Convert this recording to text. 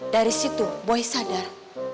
dari situ boy sadar